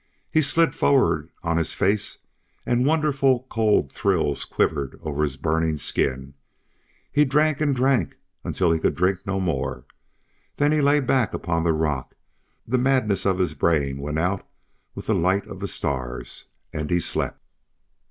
He slid forward on his face and wonderful cold thrills quivered over his burning skin. He drank and drank until he could drink no more. Then he lay back upon the rock; the madness of his brain went out with the light of the stars, and he slept.